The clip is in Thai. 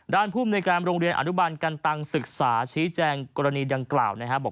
ด้านภูมิในการโรงเรียนอนุบันกันต่างศึกษานี่แจงโกรณีดังเก่าไหมครับ